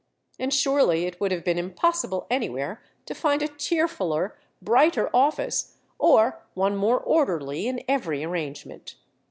And surely it would have been impossible anywhere to find a cheer fuller, brighter office, or one more orderly in every arrangement.